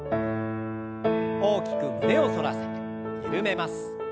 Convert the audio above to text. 大きく胸を反らせてゆるめます。